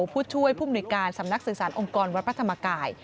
ผู้ช่วยผู้มนุยการสำนักสื่อสารองค์กรวัดพระธรรมกาย